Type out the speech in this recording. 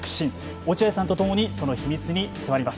落合さんとともにその秘密に迫ります。